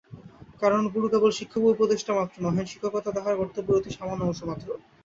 কারণ গুরু কেবল শিক্ষক বা উপদেষ্টামাত্র নহেন, শিক্ষকতা তাঁহার কর্তব্যের অতি সামান্য অংশমাত্র।